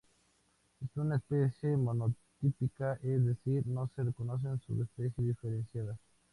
Es una especie monotípica, es decir, no se reconocen subespecies diferenciadas.